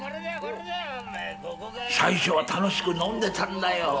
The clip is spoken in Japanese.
最初は楽しく飲んでたんだよ。